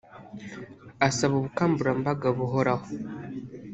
asaba ubukangurambaga buhoraho